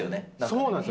そうなんです。